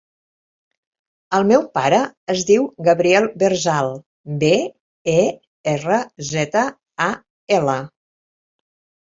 El meu pare es diu Gabriel Berzal: be, e, erra, zeta, a, ela.